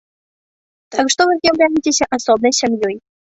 Так што вы з'яўляецеся асобнай сям'ёй.